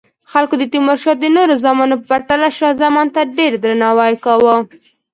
خلکو د تیمورشاه د نورو زامنو په پرتله شاه زمان ته ډیر درناوی کاوه.